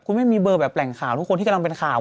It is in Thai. แม่มีเบอร์แบบแหล่งข่าวทุกคนที่กำลังเป็นข่าว